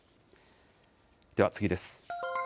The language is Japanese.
では次です。